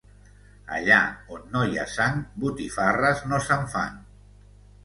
Allà on no hi ha sang botifarres no se'n fan